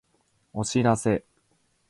お知らせ